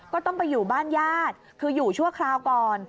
ก็ต้องไปอยู่บ้านญาติคืออยู่ชั่วคราวก่อน